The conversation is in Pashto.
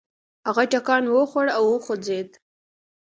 هغه ټکان وخوړ او وخوځېد.